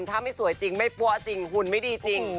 ถ้าไม่สวยจริงไม่ปั้วจริงหุ่นไม่ดีจริง